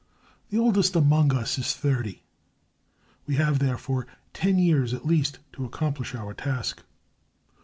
The oldest amongst us is thirty; we have, therefore, ten years at least to accomplish our task.